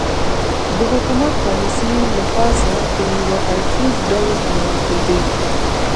د حکومت پالیسۍ له پاسه په یو اړخیز ډول عملي کېدې